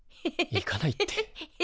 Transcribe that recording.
行かないって。